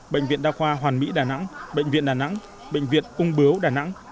bệnh viện đa khoa hoàn mỹ đà nẵng bệnh viện đà nẵng bệnh viện ung bướu đà nẵng